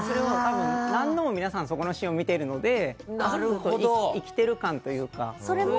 何度も皆さんそこのシーンを見ているので生きてる感というか。